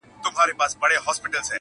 o ټوله عمر د عبادت يوه خبره د حقيقت٫